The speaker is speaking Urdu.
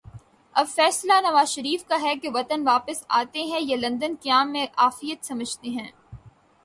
اب فیصلہ نوازشریف کا ہے کہ وطن واپس آتے ہیں یا لندن قیام میں عافیت سمجھتے ہیں۔